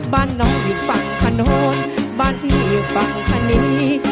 บ้านน้องอยู่ฝั่งถนนบ้านพี่อยู่ฝั่งธนี